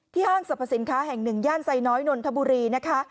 ห้างสรรพสินค้าแห่งหนึ่งย่านไซน้อยนนทบุรีนะคะ